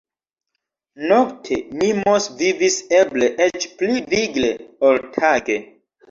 Nokte Mimos vivis eble eĉ pli vigle, ol tage.